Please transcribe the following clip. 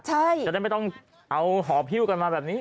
ใช่จะได้ไม่ต้องเอาหอพิวกันมาแบบนี้